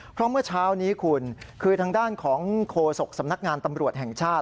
เพราะเมื่อเช้านี้คุณคือทางด้านของโคศกสำนักงานตำรวจแห่งชาติ